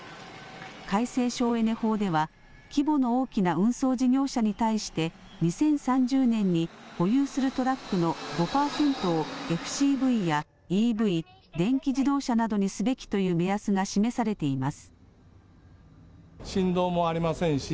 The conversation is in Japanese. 改正省エネ法では、規模の大きな運送事業者に対して、２０３０年に保有するトラックの５％をＦＣＶやＥＶ・電気自動車などにすべきという目安が示されています。